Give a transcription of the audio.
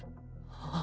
ああ。